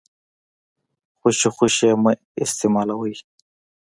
خوشې خوشې يې مه استيمالوئ.